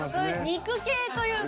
肉系というか。